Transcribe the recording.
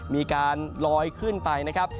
มีการลอยขึ้นไปนะครับ